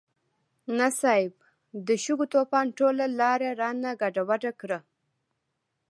نه صيب، د شګو طوفان ټوله لاره رانه ګډوډه کړه.